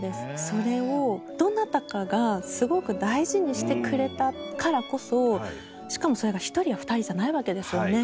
それをどなたかがすごく大事にしてくれたからこそしかもそれが１人や２人じゃないわけですよね。